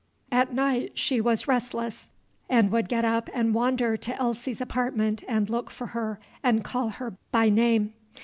At night she was restless, and would get up and wander to Elsie's apartment and look for her and call her by name.